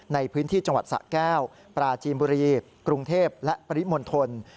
ในพื้นที่จังหวัดสะแก้วปราจีนบุรีกรุงเทพและปริมณฑล